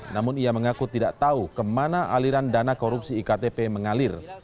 namun ia mengaku tidak tahu kemana aliran dana korupsi iktp mengalir